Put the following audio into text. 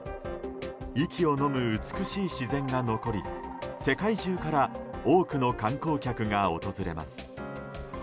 息をのむ、美しい自然が残り世界中から多くの観光客が訪れます。